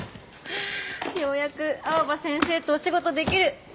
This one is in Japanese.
ようやく青葉先生とお仕事できる！